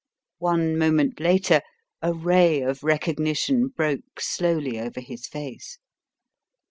One moment later, a ray of recognition broke slowly over his face.